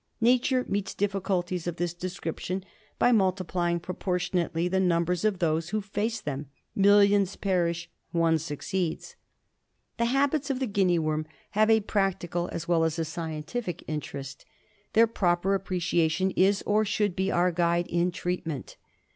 Nature meets difficulties of this description by multiplying proportionately the numbers of those that face them ; millions perish, one succeeds. The habits of the Guinea worm have a practical, as well as a scientific, interest. Their proper appreciation is, or should be, our guide in treatment.